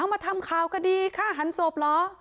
มาทำข่าวคดีฆ่าหันศพเหรอ